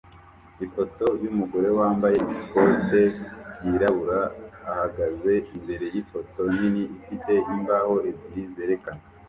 Ifoto yumugore wambaye ikote ryirabura ahagaze imbere yifoto nini ifite imbaho ebyiri zerekana